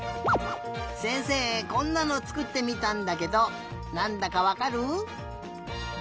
せんせいこんなのつくってみたんだけどなんだかわかる？